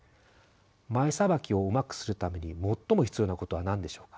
前さばきをうまくするために最も必要なことは何でしょうか。